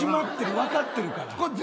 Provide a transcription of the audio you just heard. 分かってるから。